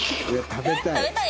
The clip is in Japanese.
「食べたい」